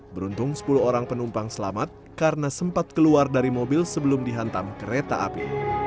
beruntung sepuluh orang penumpang selamat karena sempat keluar dari mobil sebelum dihantam kereta api